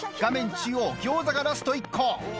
中央餃子がラスト１個。